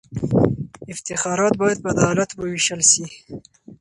افتخارات باید په عدالت ووېشل سي.